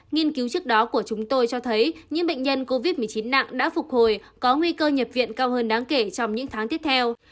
nghiên cứu trước đó của chúng tôi cho thấy những bệnh nhân covid một mươi chín nặng đã phục hồi có nguy cơ nhập viện cao hơn đáng kể trong những tháng tiếp theo